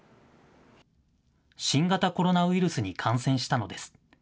新型コロナウイルスに感染したのです。